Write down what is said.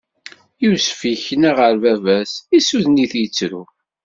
Yusef ikna ɣer baba-s, issuden-it, ittru.